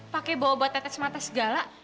pakai bobot tetes mata segala